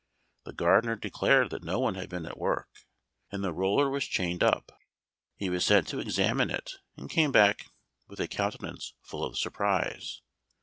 The gardener declared that no one had been at work, and the roller was chained up. He was sent to examine it, and came back with a countenance full of surprise.